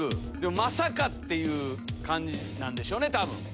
まさか！っていう感じでしょうね多分。